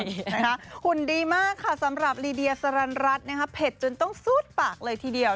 หุ่นดีมากค่ะสำหรับลีเดียสรรรัสเผ็ดจนต้องซูดปากเลยทีเดียว